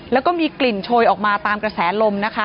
แล้วก็มีกลิ่นโชยออกมาตามกระแสลมนะคะ